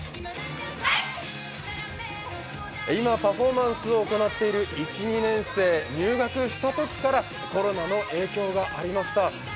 今、パフォーマンスを行っている１、２年生、入学したときからコロナの影響がありました。